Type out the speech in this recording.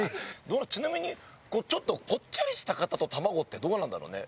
ちなみにちょっとぽっちゃりした方と卵ってどうなんだろうね？